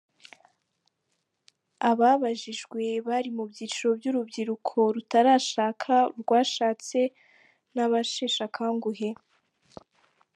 Ababajijwe bari mu byiciro by’urubyiruko rutarashaka, urwashatse n’abasheshakanguhe.